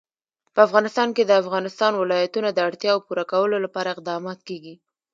په افغانستان کې د د افغانستان ولايتونه د اړتیاوو پوره کولو لپاره اقدامات کېږي.